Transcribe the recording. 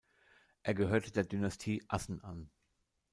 Er gehörte der Dynastie "Assen" an.